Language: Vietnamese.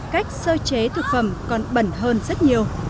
cách sơ chế thực phẩm còn bẩn hơn rất nhiều